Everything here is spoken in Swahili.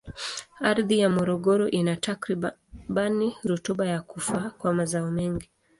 Ardhi ya Morogoro ina takribani rutuba ya kufaa kwa mazao mengi.